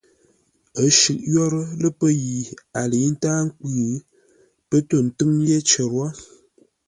Ə́ shʉ̂ʼ yórə́ lə́ pə́ yi, a lə̌i ntáa nkwʉ́, pə́ tô ńtʉ́ŋ yé cər wó.